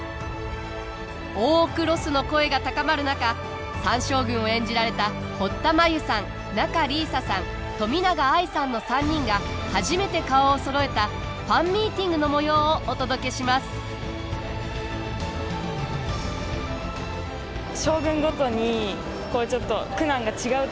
「大奥ロス」の声が高まる中３将軍を演じられた堀田真由さん仲里依紗さん冨永愛さんの３人が初めて顔をそろえたファンミーティングのもようをお届けしますご紹介いたします。